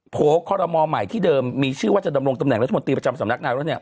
ขอรมอลใหม่ที่เดิมมีชื่อว่าจะดำรงตำแหนรัฐมนตรีประจำสำนักงานแล้วเนี่ย